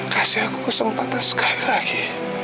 kasih aku kesempatan sekali lagi